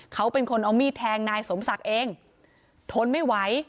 เขาเป็นคนเอามีดแทงนายสมศักดิ์เองทนไม่ไหว